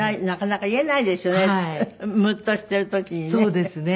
そうですね。